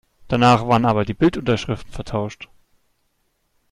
Danach waren aber die Bildunterschriften vertauscht.